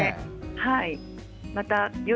はい。